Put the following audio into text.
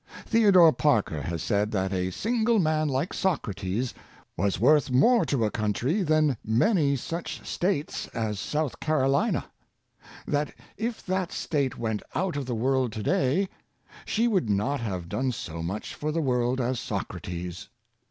Theodore Parker has said that a sin Influence of Great Men, 79 gle man like Socrates was worth more to a country than many such States as South CaroHna. that if that State went out of the world to day, she would not have done so much for the world as Socrates.